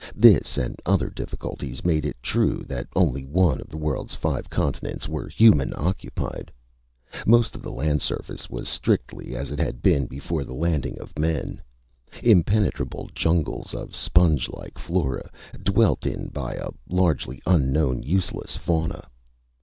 This and other difficulties made it true that only one of the world's five continents were human occupied. Most of the land surface was strictly as it had been before the landing of men impenetrable jungles of spongelike flora, dwelt in by a largely unknown useless fauna.